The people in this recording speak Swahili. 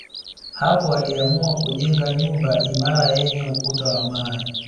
Hapo aliamua kujenga nyumba imara yenye ukuta wa mawe